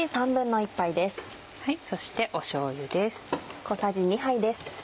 そしてしょうゆです。